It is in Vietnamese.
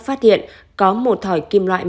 phát hiện có một thỏi kim loại